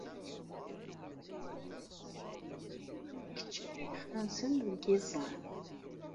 D kečč ara yexnunsen deg yiẓẓan.